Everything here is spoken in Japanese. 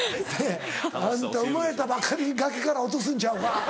あんた生まれたばっかり崖から落とすんちゃうか？